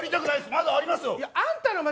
まだありますよ。